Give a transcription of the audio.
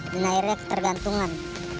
dan akhirnya ketergantungan